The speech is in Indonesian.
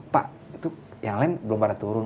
pak itu yang lain belum pada turun